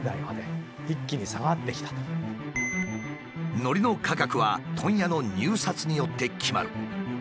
のりの価格は問屋の入札によって決まる。